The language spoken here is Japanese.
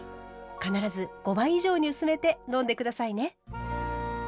必ず５倍以上に薄めて飲んで下さいね。